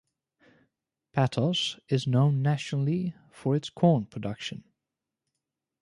Patos is known nationally for its corn production.